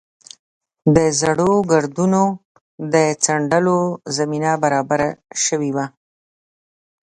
د زړو ګردونو د څنډلو زمینه برابره شوې وه.